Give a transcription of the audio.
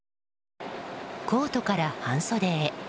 コートから半袖へ。